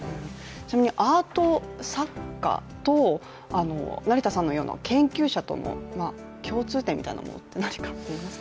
ちなみにアート作家と成田さんのような研究者との共通点みたいなものって何かありますか？